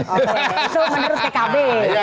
itu menurut pkb